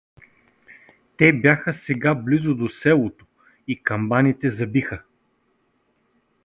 Те бяха сега близо до селото и камбаните забиха.